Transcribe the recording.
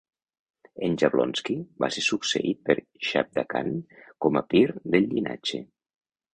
En Jablonski va ser succeït per Shabda Kahn com a Pir del llinatge.